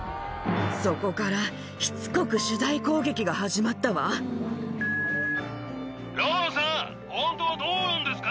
そこからしつこく取材攻撃がローラさん、本当はどうなんですか？